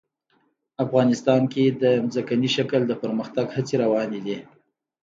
افغانستان کې د ځمکنی شکل د پرمختګ هڅې روانې دي.